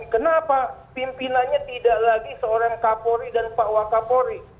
kenapa pimpinannya tidak lagi seorang kapolri dan pak wakapori